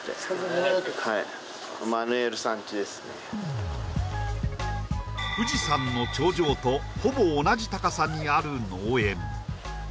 はい富士山の頂上とほぼ同じ高さにある農園